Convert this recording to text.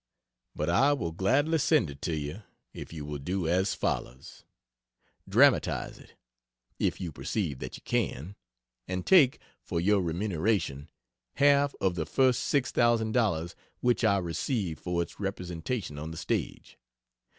But I will gladly send it to you if you will do as follows: dramatize it, if you perceive that you can, and take, for your remuneration, half of the first $6000 which I receive for its representation on the stage.